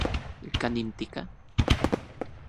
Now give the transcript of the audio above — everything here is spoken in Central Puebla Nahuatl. ¿Kanin tika?